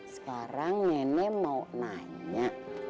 sekarang nenek mau nanya